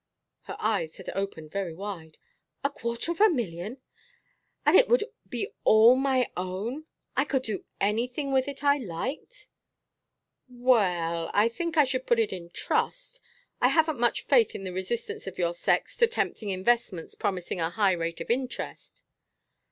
Her eyes had opened very wide. "A quarter of a million? And it would be all my own? I could do anything with it I liked?" "Well I think I should put it in trust. I haven't much faith in the resistance of your sex to tempting investments promising a high rate of interest."